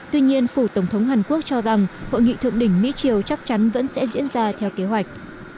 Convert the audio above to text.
tuy nhiên phủ tổng thống hàn quốc cho rằng hội nghị thượng đỉnh mỹ triều chắc chắn vẫn sẽ diễn ra theo kế hoạch